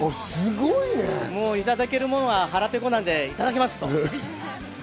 いただけるものは腹ぺこなのでいただきます。